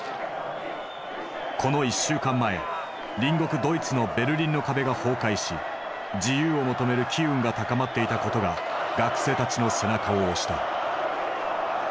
この１週間前隣国ドイツのベルリンの壁が崩壊し自由を求める機運が高まっていたことが学生たちの背中を押した。